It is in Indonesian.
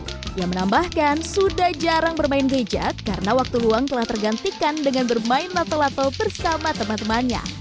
dia menambahkan sudah jarang bermain gadget karena waktu luang telah tergantikan dengan bermain lato lato bersama teman temannya